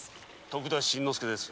徳田新之助です。